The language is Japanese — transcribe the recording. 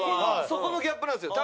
そこのギャップなんですよ。